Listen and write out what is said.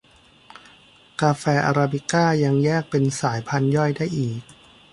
กาแฟอราบิก้ายังแยกเป็นสายพันธุ์ย่อยได้อีก